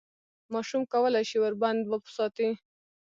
ماشوم کولای شي ور بند وساتي.